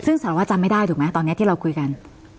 ซึ่งสารวัตจำไม่ได้ถูกไหมตอนนี้ที่เราคุยกัน